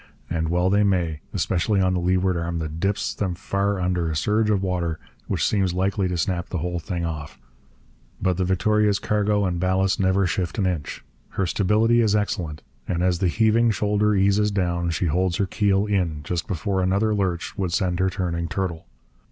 And well they may, especially on the leeward arm that dips them far under a surge of water which seems likely to snap the whole thing off. But the Victoria's cargo and ballast never shift an inch. Her stability is excellent. And as the heaving shoulder eases down she holds her keel in, just before another lurch would send her turning turtle.